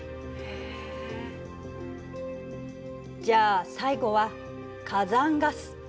じゃあ最後は火山ガス。